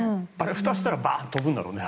ふたしたらバーッと飛ぶんだろうね。